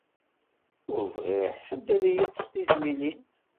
Ur bɣiɣ ḥedd ad yeṭṭef tizmilin!